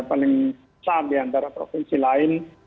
paling besar diantara provinsi lain